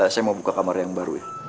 saya mau buka kamar yang baru ya